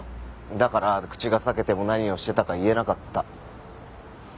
だから口が裂けても何をしてたか言えなかった。